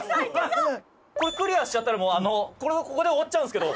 これクリアしちゃったらもうこれはここで終わっちゃうんですけど。